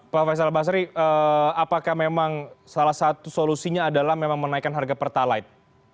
pak faisal basri apakah memang salah satu solusinya adalah memang menaikkan harga pertalite